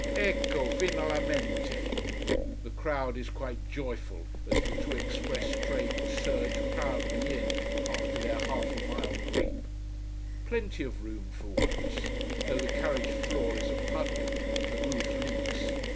Ecco! Finalmente! The crowd is quite joyful as the two express trains surge proudly in, after their half a mile creep. Plenty of room, for once. Though the carriage floor is a puddle, and the roof leaks.